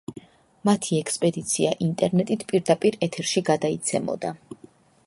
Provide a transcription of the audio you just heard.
მათი ექსპედიცია ინტერნეტით პირდაპირ ეთერში გადაიცემოდა.